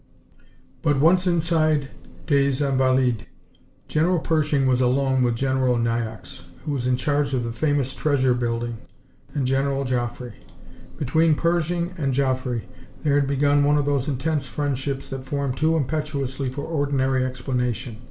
But once inside des Invalides General Pershing was alone with General Niox, who was in charge of the famous treasure building, and General Joffre. Between Pershing and Joffre there had begun one of those intense friendships that form too impetuously for ordinary explanation.